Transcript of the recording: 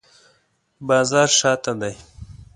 بازار شاته دی